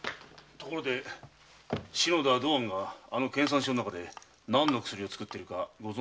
ところで篠田道庵があの研鑽所の中で何の薬を作っているかご存じありませんか？